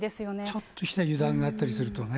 ちょっとした油断があったりするとね。